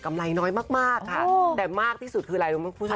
กำไรน้อยมากค่ะแต่มากที่สุดคืออะไรคุณผู้ชม